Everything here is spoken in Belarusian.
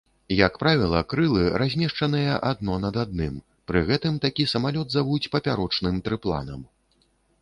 Як правіла, крылы размешчаныя адно над адным, пры гэтым такі самалёт завуць папярочным трыпланам.